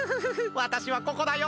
わたしはここだよ。